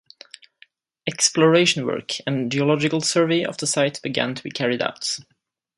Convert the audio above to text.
Exploration work and geological survey of the site began to be carried out.